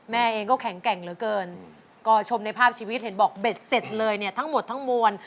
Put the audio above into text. แม่เองก็แข็งแกร่งเหลือเกินก็ชมในภาพชีวิตเห็นบอกเบ็ดเสร็จเลยเนี่ยทั้งหมดทั้งมวล